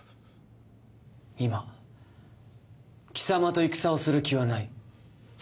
今貴様と戦をする気はない。